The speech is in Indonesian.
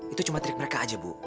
itu cuma trik mereka aja bu